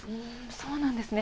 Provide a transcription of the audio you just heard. そうなんですね。